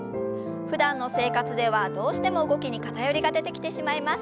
ふだんの生活ではどうしても動きに偏りが出てきてしまいます。